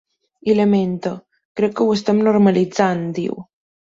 I lamenta: ‘Crec que ho estem normalitzant’, diu.